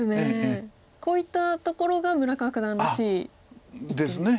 こういったところが村川九段らしい。ですね。